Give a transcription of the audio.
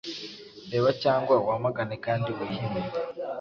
Reba cyangwa wamagane, kandi wihime